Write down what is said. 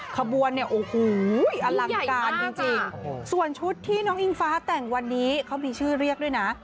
ขบวนเนี่ยโอ้โหอลังการจริงส่วนชุดที่น้องอิงฟ้าแต่งวันนี้เขามีชื่อเรียกด้วยนะ